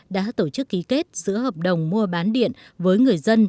đã tổ chức ký kết giữa hợp đồng mua bán điện với người dân